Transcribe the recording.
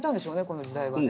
この時代はね。